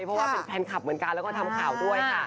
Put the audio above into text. เพราะว่าเป็นแฟนคลับเหมือนกันแล้วก็ทำข่าวด้วยค่ะ